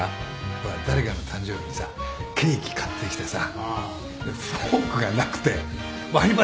ほら誰かの誕生日にさケーキ買ってきてさフォークがなくて割り箸で食べちゃったみたいな。